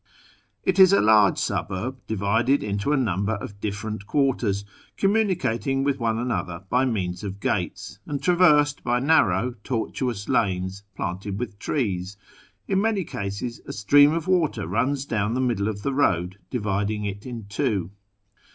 It is a large suburb, divided into a 1 98 A YEAR AMONGST THE PERSIANS numlier ot" didereut quarters, cuimmiiiicating with one iiiidtlier Ity moans of gates, and traversed by narrow, tortuous lunes planted witli trees; in many cases a stream of water runs down the middle of the road dividing it in two.